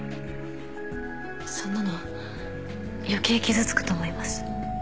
そんなの余計傷つくと思います